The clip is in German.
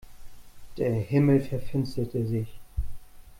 Der Himmel verfinsterte sich.